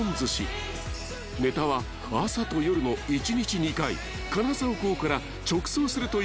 ［ねたは朝と夜の一日２回金沢港から直送するというこだわり］